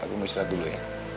aku mau istirahat dulu ya